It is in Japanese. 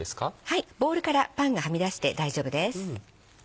はいボウルからパンがはみ出して大丈夫です。